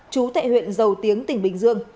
chú thệ huyện giàu tiếng tỉnh bình dương